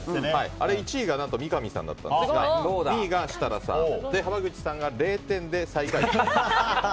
あれは三上さんが１位だったんですが２位が設楽さんで濱口さんが０点で最下位でした。